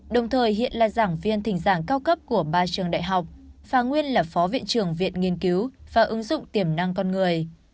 đồng thời hiện là giảng viên thỉnh giảng cao cấp của ba trường đại học và nguyên là phó viện trưởng viện nghiên cứu và ứng dụng tiềm năng con người